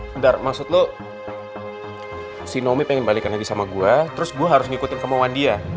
benar maksud lo si nomi pengen balikan lagi sama gue terus gue harus ngikutin kemauan dia